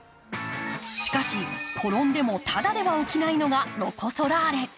しかし、転んでもただでは起きないのがロコ・ソラーレ。